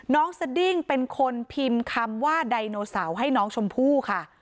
สดิ้งเป็นคนพิมพ์คำว่าไดโนเสาร์ให้น้องชมพู่ค่ะ